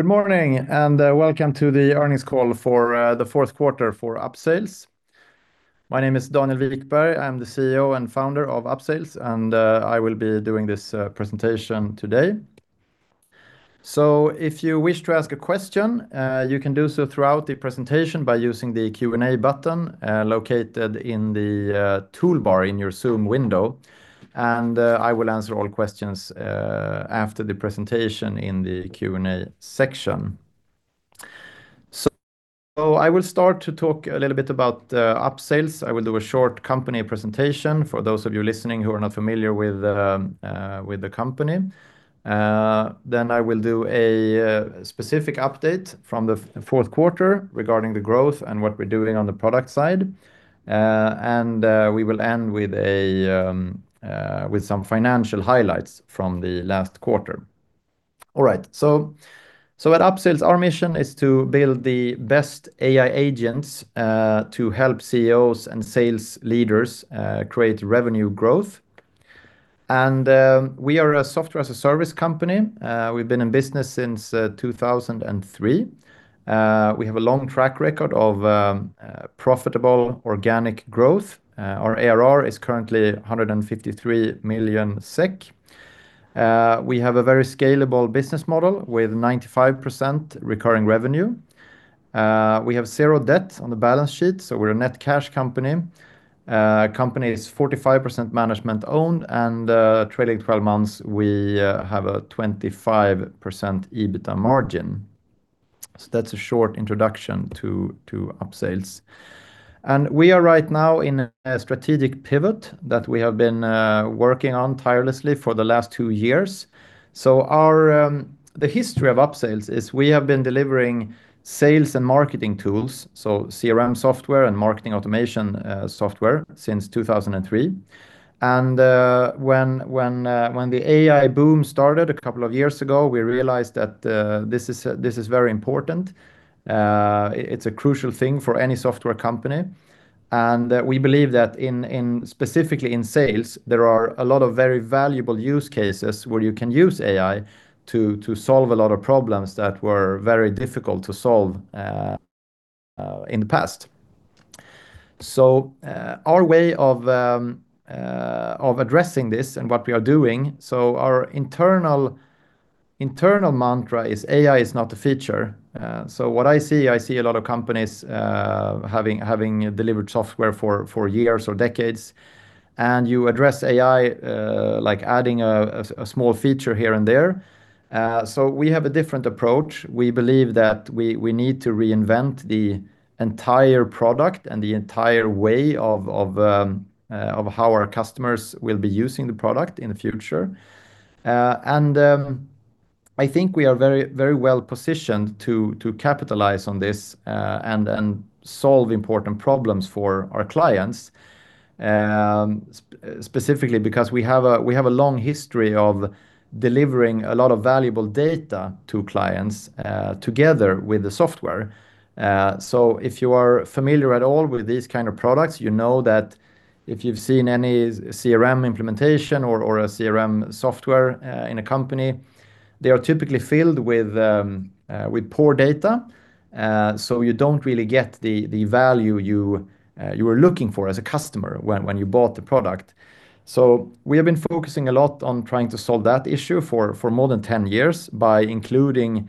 Good morning, and welcome to the earnings call for the Q4 for Upsales. My name is Daniel Wikberg. I'm the CEO and Founder of Upsales, and I will be doing this presentation today. So if you wish to ask a question, you can do so throughout the presentation by using the Q&A button located in the toolbar in your Zoom window. And I will answer all questions after the presentation in the Q&A section. So I will start to talk a little bit about Upsales. I will do a short company presentation for those of you listening who are not familiar with the company. Then I will do a specific update from the Q4 regarding the growth and what we're doing on the product side. We will end with some financial highlights from the last quarter. All right, so at Upsales, our mission is to build the best AI agents to help CEOs and sales leaders create revenue growth. We are a software as a service company. We've been in business since 2003. We have a long track record of profitable organic growth. Our ARR is currently 153 million SEK. We have a very scalable business model with 95% recurring revenue. We have zero debt on the balance sheet, so we're a net cash company. Company is 45% management-owned, and trailing 12 months, we have a 25% EBITDA margin. So that's a short introduction to Upsales. We are right now in a strategic pivot that we have been working on tirelessly for the last 2 years. Our history is we have been delivering sales and marketing tools, so CRM software and marketing automation software, since 2003. When the AI boom started a couple of years ago, we realized that this is very important. It's a crucial thing for any software company, and we believe that specifically in sales, there are a lot of very valuable use cases where you can use AI to solve a lot of problems that were very difficult to solve in the past. So, our way of addressing this and what we are doing, so our internal mantra is: AI is not a feature. So what I see, I see a lot of companies having delivered software for years or decades, and you address AI like adding a small feature here and there. So we have a different approach. We believe that we need to reinvent the entire product and the entire way of how our customers will be using the product in the future. And I think we are very well positioned to capitalize on this and solve important problems for our clients. Specifically because we have a, we have a long history of delivering a lot of valuable data to clients, together with the software. So if you are familiar at all with these kind of products, you know that if you've seen any CRM implementation or a CRM software in a company, they are typically filled with poor data. So you don't really get the value you were looking for as a customer when you bought the product. So we have been focusing a lot on trying to solve that issue for more than 10 years by including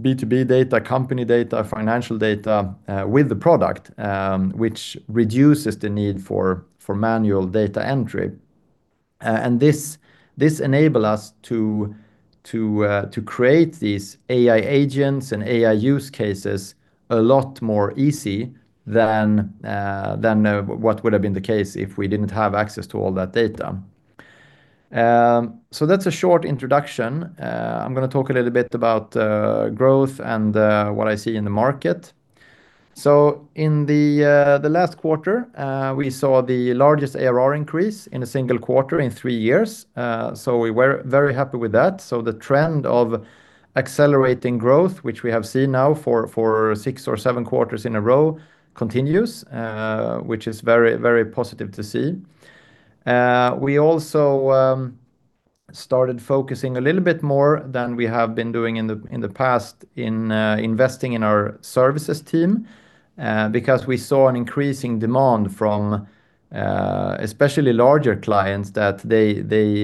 B2B data, company data, financial data with the product, which reduces the need for manual data entry. And this enable us to create these AI agents and AI use cases a lot more easy than what would have been the case if we didn't have access to all that data. So that's a short introduction. I'm going to talk a little bit about growth and what I see in the market. So in the last quarter, we saw the largest ARR increase in a single quarter in three years. So we were very happy with that. So the trend of accelerating growth, which we have seen now for six or seven quarters in a row, continues, which is very, very positive to see. We also started focusing a little bit more than we have been doing in the past in investing in our services team because we saw an increasing demand from especially larger clients that they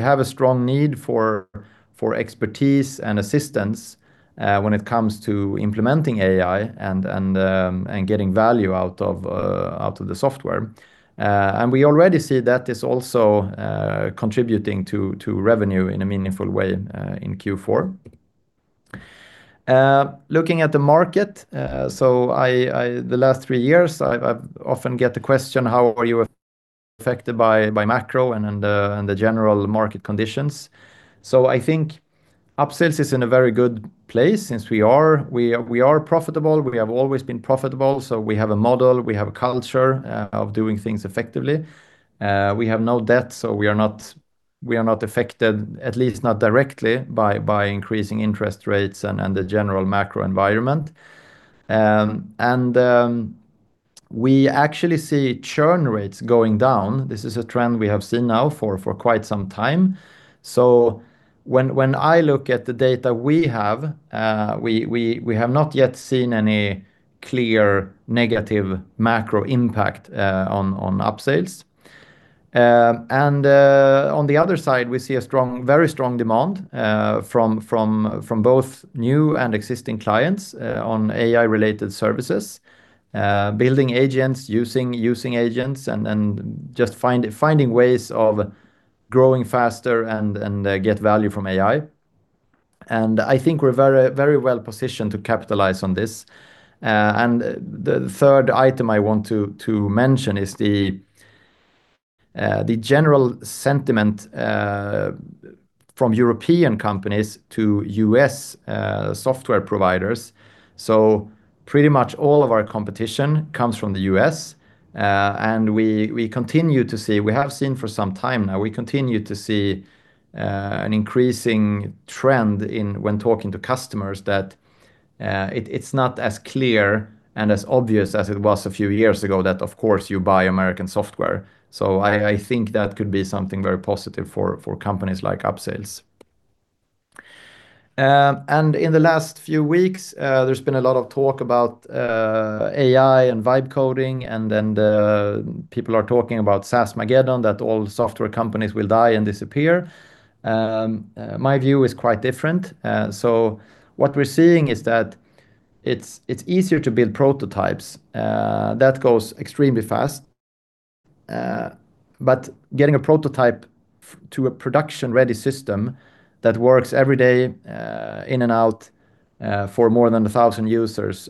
have a strong need for for expertise and assistance when it comes to implementing AI and and and getting value out of out of the software. And we already see that is also contributing to to revenue in a meaningful way in Q4. Looking at the market, so I the last three years, I've I've often get the question, "How are you affected by by macro and and and the general market conditions?" So I think Upsales is in a very good place since we are we are we are profitable. We have always been profitable, so we have a model, we have a culture of doing things effectively. We have no debt, so we are not affected, at least not directly, by increasing interest rates and the general macro environment. We actually see churn rates going down. This is a trend we have seen now for quite some time. So when I look at the data we have, we have not yet seen any clear negative macro impact on Upsales. And on the other side, we see a strong, very strong demand from both new and existing clients on AI-related services. Building agents, using agents, and just finding ways of growing faster and get value from AI. I think we're very, very well positioned to capitalize on this. The third item I want to mention is the general sentiment from European companies to U.S. software providers. So pretty much all of our competition comes from the U.S., and we continue to see. We have seen for some time now, we continue to see an increasing trend in when talking to customers that it, it's not as clear and as obvious as it was a few years ago, that of course, you buy American software. So I think that could be something very positive for companies like Upsales. And in the last few weeks, there's been a lot of talk about AI and vibe coding, and then the people are talking about SaaSmageddon, that all software companies will die and disappear. My view is quite different. So what we're seeing is that it's easier to build prototypes that goes extremely fast. But getting a prototype to a production-ready system that works every day, in and out, for more than 1,000 users,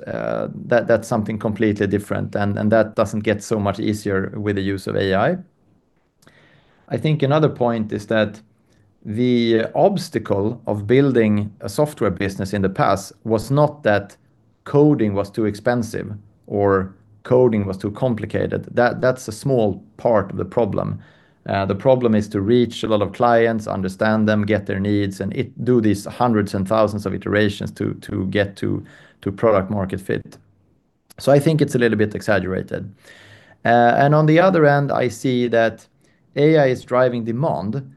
that's something completely different, and that doesn't get so much easier with the use of AI. I think another point is that the obstacle of building a software business in the past was not that coding was too expensive or coding was too complicated. That's a small part of the problem. The problem is to reach a lot of clients, understand them, get their needs, and do these hundreds and thousands of iterations to get to product-market fit. So I think it's a little bit exaggerated. And on the other end, I see that AI is driving demand.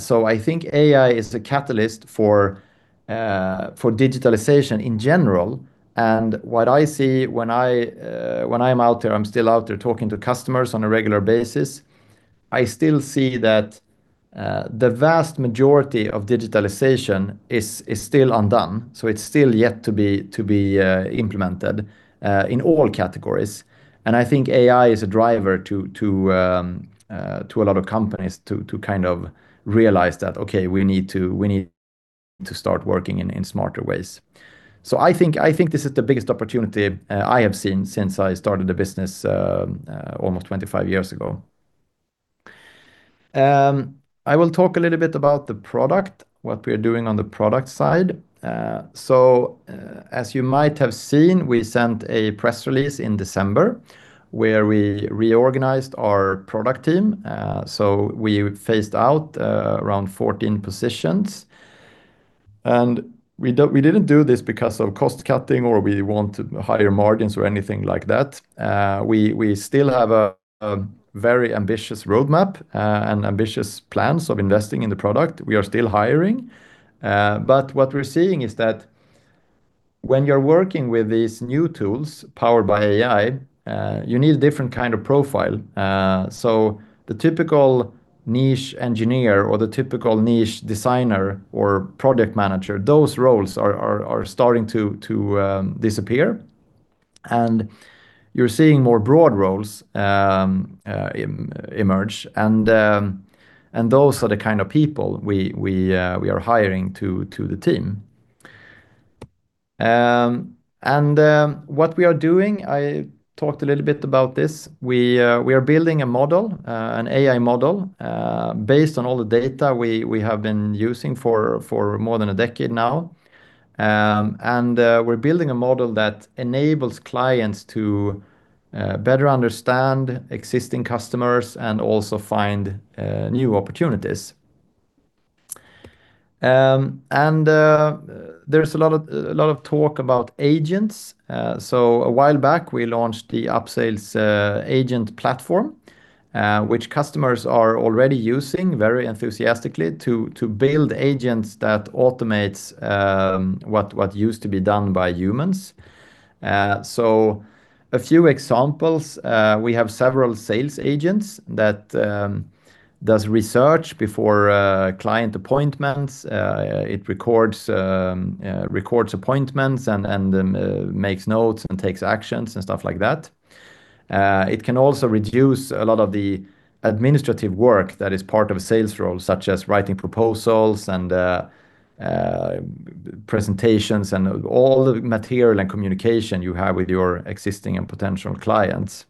So I think AI is the catalyst for digitalization in general. And what I see when I, when I'm out there, I'm still out there talking to customers on a regular basis, I still see that the vast majority of digitalization is still undone, so it's still yet to be implemented in all categories. And I think AI is a driver to a lot of companies to kind of realize that, "Okay, we need to start working in smarter ways." So I think this is the biggest opportunity I have seen since I started the business almost 25 years ago. I will talk a little bit about the product, what we're doing on the product side. So, as you might have seen, we sent a press release in December, where we reorganized our product team. So we phased out around 14 positions, and we didn't do this because of cost-cutting, or we want higher margins or anything like that. We still have a very ambitious roadmap, and ambitious plans of investing in the product. We are still hiring, but what we're seeing is that when you're working with these new tools powered by AI, you need a different kind of profile. So the typical niche engineer or the typical niche designer or project manager, those roles are starting to disappear. You're seeing more broad roles emerge, and those are the kind of people we are hiring to the team. What we are doing, I talked a little bit about this, we are building a model, an AI model, based on all the data we have been using for more than a decade now. We're building a model that enables clients to better understand existing customers and also find new opportunities. There's a lot of talk about agents. A while back, we launched the Upsales Agent Platform, which customers are already using very enthusiastically to build agents that automates what used to be done by humans. A few examples, we have several sales agents that do research before client appointments. It records appointments and makes notes and takes actions and stuff like that. It can also reduce a lot of the administrative work that is part of a sales role, such as writing proposals and presentations and all the material and communication you have with your existing and potential clients.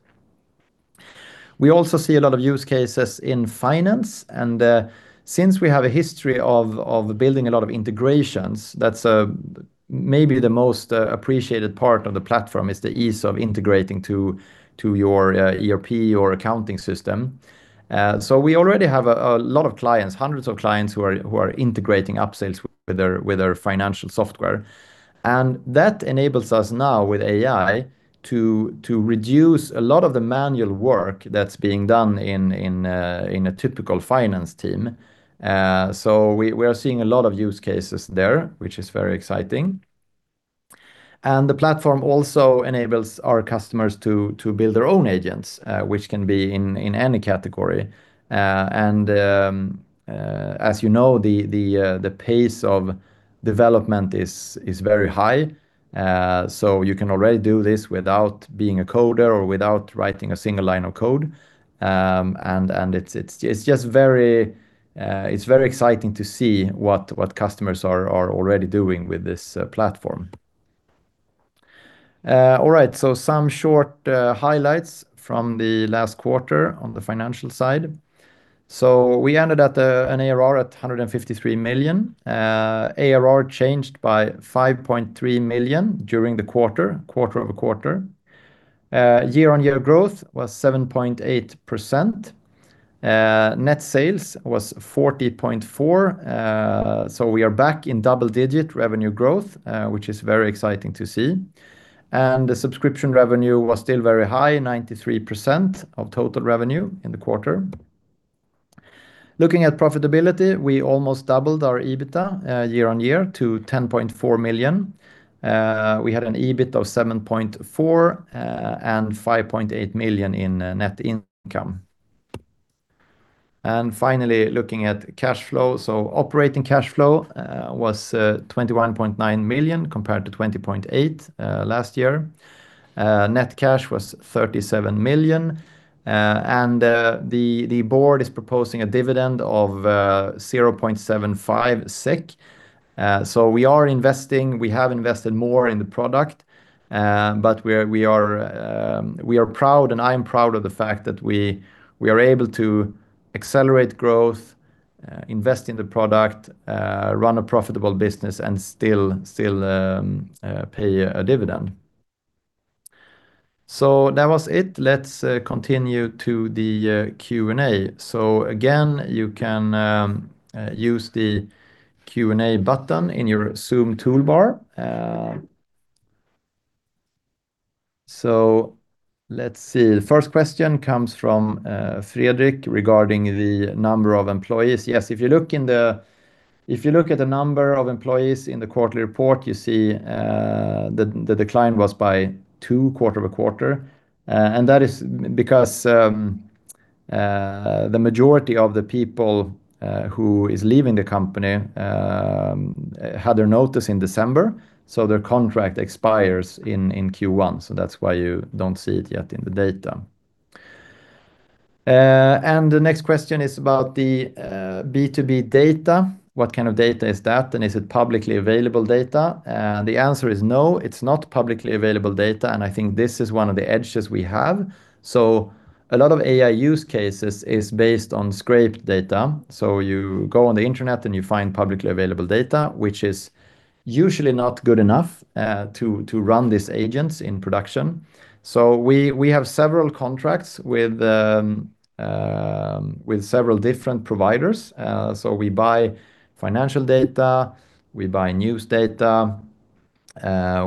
We also see a lot of use cases in finance, and since we have a history of building a lot of integrations, that's maybe the most appreciated part of the platform, is the ease of integrating to your ERP or accounting system. So we already have a lot of clients, hundreds of clients, who are integrating Upsales with their financial software. And that enables us now with AI to reduce a lot of the manual work that's being done in a typical finance team. So we are seeing a lot of use cases there, which is very exciting. And the platform also enables our customers to build their own agents, which can be in any category. As you know, the pace of development is very high. So you can already do this without being a coder or without writing a single line of code. And it's just very exciting to see what customers are already doing with this platform. All right, so some short highlights from the last quarter on the financial side. So we ended at an ARR at 153 million. ARR changed by 5.3 million during the quarter, quarter-over-quarter. Year-on-year growth was 7.8%. Net sales was 40.4 million, so we are back in double-digit revenue growth, which is very exciting to see. The subscription revenue was still very high, 93% of total revenue in the quarter. Looking at profitability, we almost doubled our EBITDA year-on-year to 10.4 million. We had an EBIT of 7.4 million and 5.8 million in net income. Finally, looking at cash flow, so operating cash flow was 21.9 million, compared to 20.8 million last year. Net cash was 37 million, and the board is proposing a dividend of 0.75 SEK. So we have invested more in the product, but we are proud, and I am proud of the fact that we are able to accelerate growth, invest in the product, run a profitable business, and still pay a dividend. So that was it. Let's continue to the Q&A. So again, you can use the Q&A button in your Zoom toolbar. So let's see. The first question comes from Frederick regarding the number of employees. Yes, if you look at the number of employees in the quarterly report, you see the decline was by two quarter-over-quarter. That is because the majority of the people who is leaving the company had their notice in December, so their contract expires in Q1. That's why you don't see it yet in the data. The next question is about the B2B data. What kind of data is that, and is it publicly available data? The answer is no, it's not publicly available data, and I think this is one of the edges we have. A lot of AI use cases is based on scraped data. You go on the internet, and you find publicly available data, which is usually not good enough to run these agents in production. We have several contracts with several different providers. So we buy financial data, we buy news data,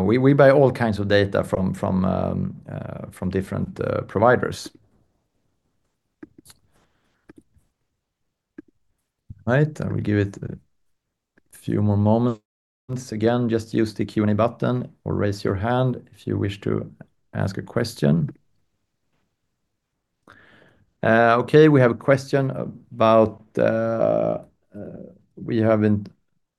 we buy all kinds of data from different providers. All right, I will give it a few more moments. Again, just use the Q&A button or raise your hand if you wish to ask a question. Okay, we have a question about, we have been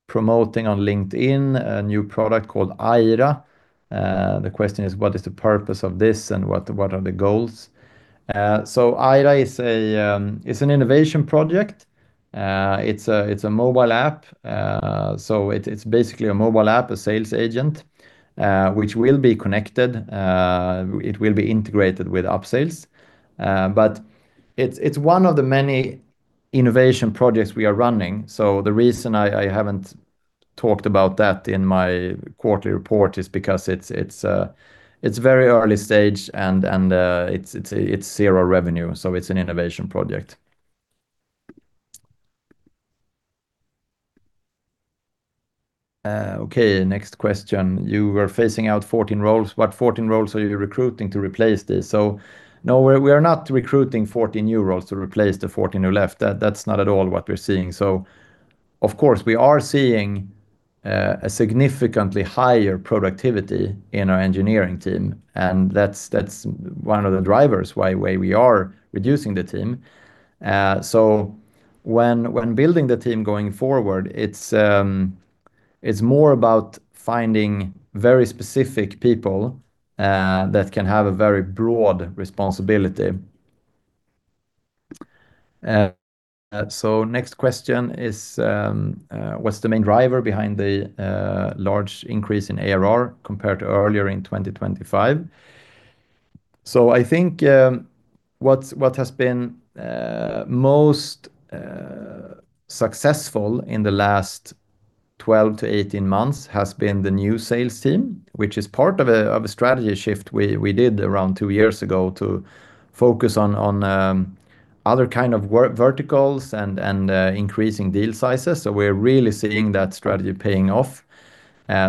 promoting on LinkedIn a new product called Aira, the question is: What is the purpose of this, and what are the goals? So Aira is an innovation project. It's a mobile app. So it's basically a mobile app, a sales agent, which will be connected, it will be integrated with Upsales. But it's one of the many innovation projects we are running. So the reason I haven't talked about that in my quarterly report is because it's very early stage and it's zero revenue, so it's an innovation project. Okay, next question: You were phasing out 14 roles. What 14 roles are you recruiting to replace this? So no, we are not recruiting 14 new roles to replace the 14 who left. That's not at all what we're seeing. So of course, we are seeing a significantly higher productivity in our engineering team, and that's one of the drivers why we are reducing the team. So when building the team going forward, it's more about finding very specific people that can have a very broad responsibility. So next question is: What's the main driver behind the large increase in ARR compared to earlier in 2025? So I think, what has been most successful in the last 12-18 months has been the new sales team, which is part of a strategy shift we did around two years ago to focus on other kind of work verticals and increasing deal sizes. So we're really seeing that strategy paying off.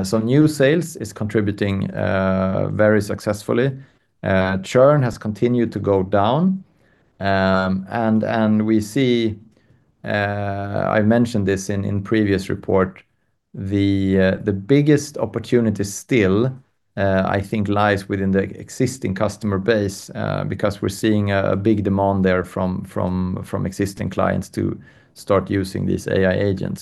So new sales is contributing very successfully. Churn has continued to go down. And we see, I mentioned this in previous report, the biggest opportunity still, I think, lies within the existing customer base, because we're seeing a big demand there from existing clients to start using these AI agents.